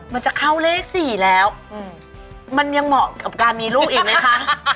มันจะเข้าเลข๔แล้วมันยังเหมาะกับการมีลูกอีกไหมคะ